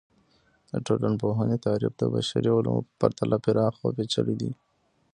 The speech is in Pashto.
د ټولنپوهنې تعریف د بشري علومو په پرتله پراخه او پیچلي دی.